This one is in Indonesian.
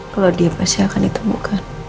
kalau dia pasti akan ditemukan